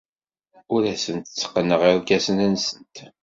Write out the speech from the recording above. Ur asent-tteqqneɣ irkasen-nsent.